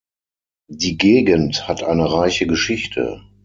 Die Gegend hat eine reiche Geschichte.